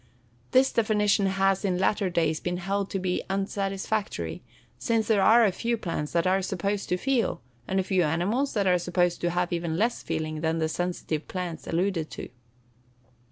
This definition has, in latter days, been held to be unsatisfactory, since there are a few plants that are supposed to feel, and a few animals that are supposed to have even less feeling than the sensitive plants alluded to.